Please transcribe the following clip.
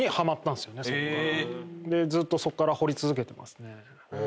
ずっとそこから掘り続けてますね。